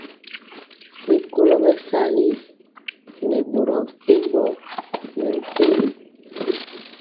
Rikolo bɛsali nɛ boro mepempɔ mɛmpegi.